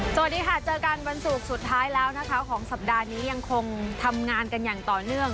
สวัสดีค่ะเจอกันวันศุกร์สุดท้ายแล้วนะคะของสัปดาห์นี้ยังคงทำงานกันอย่างต่อเนื่อง